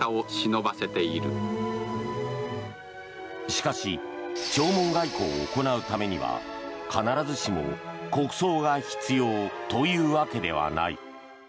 しかし弔問外交を行うためには必ずしも国葬が必要というわけではない。